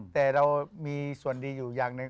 แต่เรามีส่วนดีอยู่อย่างหนึ่ง